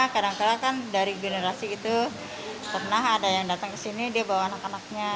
kadang kadang kan dari generasi itu pernah ada yang datang ke sini dia bawa anak anaknya